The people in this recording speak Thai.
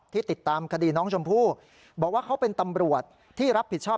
ติดตามคดีน้องชมพู่บอกว่าเขาเป็นตำรวจที่รับผิดชอบ